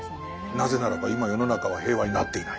なぜならば今世の中は平和になっていない。